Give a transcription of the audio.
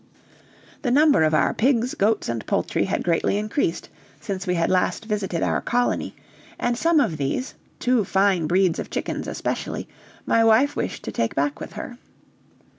The number of our pigs, goats, and poultry had greatly increased since we had last visited our colony; and some of these, two fine breeds of chickens especially, my wife wished to take back with her.